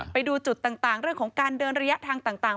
ไปดูจุดต่างเรื่องของการเดินระยะทางต่าง